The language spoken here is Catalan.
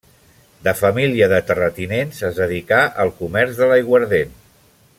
De família de terratinents, es dedicà al comerç de l'aiguardent.